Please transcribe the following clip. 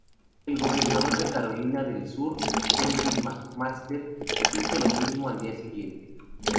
El gobernador de Carolina del Sur, Henry McMaster, hizo lo mismo al día siguiente.